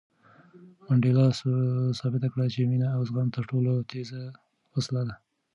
منډېلا ثابته کړه چې مینه او زغم تر ټولو تېزه وسله ده.